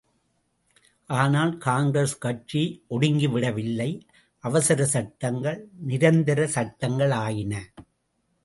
ஆனால், காங்கிரஸ் கட்சி ஒடுங்கிவிடவில்லை... அவசரச் சட்டங்கள் நிரந்தரச் சட்டங்களாயின.